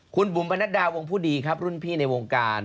คุณบุ๋มปนัดดาวงผู้ดีครับรุ่นพี่ในวงการ